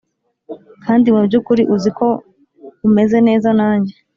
kandi mubyukuri, uzi ko umeze neza nanjye